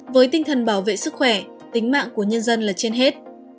với tinh thần bảo vệ sức khỏe tính mạng của nhân dân là trên hết